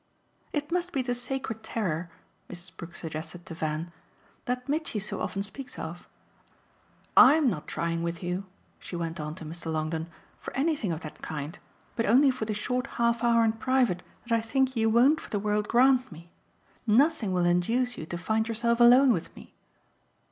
"It must be the sacred terror," Mrs. Brook suggested to Van, "that Mitchy so often speaks of. I'M not trying with you," she went on to Mr. Longdon, "for anything of that kind, but only for the short half hour in private that I think you won't for the world grant me. Nothing will induce you to find yourself alone with me."